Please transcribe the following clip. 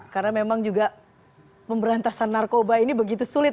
karena memang juga pemberantasan narkoba ini begitu sulit